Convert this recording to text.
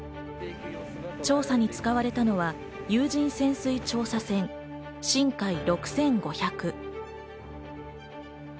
調査に使われたのは有人潜水調査船「しんかい６５００」。